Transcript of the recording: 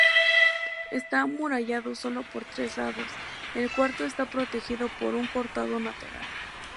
Está amurallado solo por tres lados, el cuarto está protegido por un cortado natural.